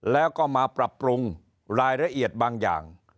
แล้วก็มาปรับปรุงรายละเอียดบางอย่าง